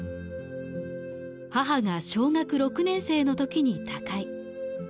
母が小学６年生の時に他界。